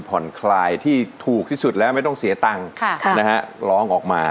ผ่อนคลายที่ถูกที่สุดแล้วไม่ต้องเสียตังค์ร้องออกมา